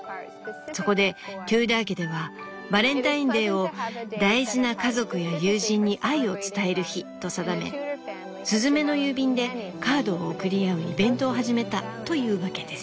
そこでテューダー家ではバレンタインデーを『大事な家族や友人に愛を伝える日』と定めスズメの郵便でカードを送り合うイベントを始めたというわけです」。